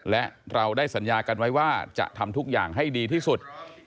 และเราได้สัญญากันไว้ว่าจะทำทุกอย่างให้ดีที่สุด